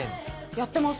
やってます。